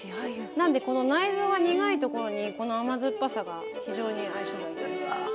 なんでこの内臓が苦いところにこの甘酸っぱさが非常に相性がいいと思いますね。